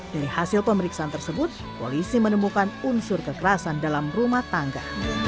dari hasil pemeriksaan tersebut polisi menemukan unsur kekerasan dalam rumah tangga